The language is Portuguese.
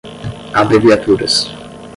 abreviaturas